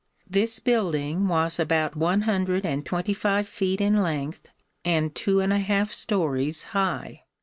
This building was about one hundred and twenty five feet in length and two and a half stories high.